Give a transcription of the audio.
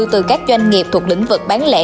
từ các doanh nghiệp thuộc lĩnh vực bán lẻ